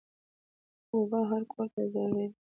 اوبه هر کور ته ضروري دي.